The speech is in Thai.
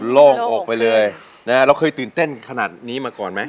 โล่งออกไปเลยเราเคยตื่นเต้นขนาดนี้มาก่อนไหม